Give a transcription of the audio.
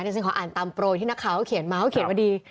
ดิฉันขออ่านตามโปรดที่นักข่าวเขียนมาเขียนว่าดี